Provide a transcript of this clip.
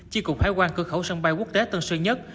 chi cục hải quan cửa khẩu sân bay quốc tế tân sơn nhất